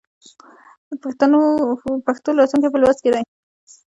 د پښتو راتلونکی په لوست کې دی.